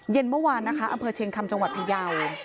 เย็นเมื่อวานนะคะอำเภอเชียงคำจังหวัดพยาว